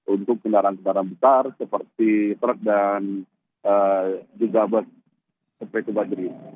untuk kendaraan kendaraan besar seperti truk dan juga bus seperti itu badri